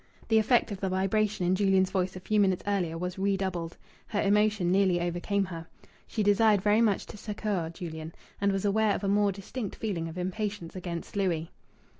The effect of the vibration in Julian's voice a few minutes earlier was redoubled. Her emotion nearly overcame her. She desired very much to succour Julian, and was aware of a more distinct feeling of impatience against Louis.